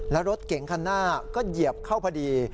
แล้วรถเก๋งคันหน้าก็เหยียบเข้าพอดี